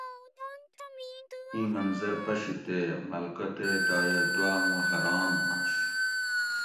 ایں منظر پشی تے ملکہ تے دایہ دوآمو حران ہوئنش